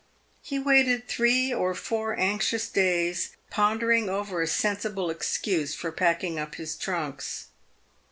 He waited three or four anxious days, ponder ing over a sensible excuse for packing up his trunks.